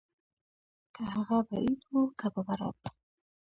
که هغه به عيد وو که ببرات.